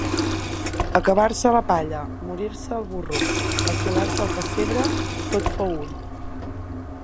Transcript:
Acabar-se la palla, morir-se el burro, assolar-se el pessebre, tot fou un.